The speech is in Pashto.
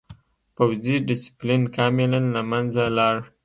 پوځي ډسپلین کاملاً له منځه لاړ.